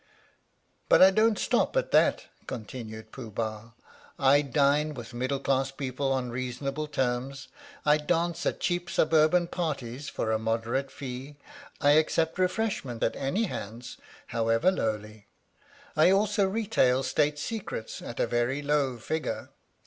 " But I don't stop at that," continued Pooh Bah; " I dine with middle class people on reasonable terms. I dance at cheap suburban parties for a moder ate fee. I accept refreshment at any hands, however lowly. I also retail State Secrets at a very low figure.